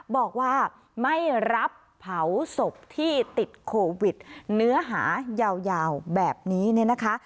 บอกว่าไม่รับเผาศพที่ติดโควิดเนื้อหายาวแบบนี้เนี่ยนะคะ